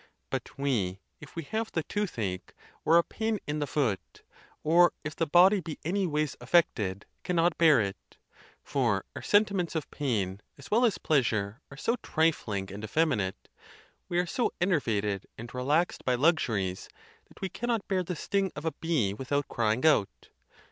But we, if we have the toothache, or a pain in the foot, or if the body be anyways affected, cannot bear it. For our sentiments of pain as well as pleasure are so trifling and effeminate, we are so enervated and relaxed by luxuries, that we cannot bear the sting of a bee without crying out.